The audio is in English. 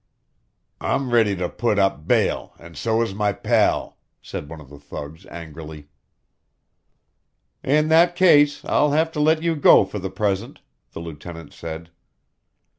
"I'm ready to put up bail, and so is my pal!" said one of the thugs angrily. "In that case, I'll have to let you go for the present," the lieutenant said.